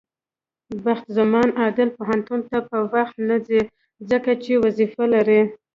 بخت زمان عادل پوهنتون ته په وخت نځي، ځکه چې وظيفه لري.